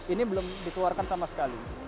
ini belum dikeluarkan sama sekali